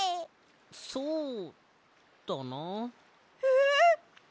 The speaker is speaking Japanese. そうだな。え！？